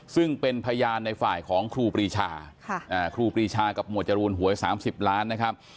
ซึ่งเป็นพยานในฝ่ายของครูปรีชาครูปรีชากับหมวดจรูนหวย๓๐ล้านนะครับ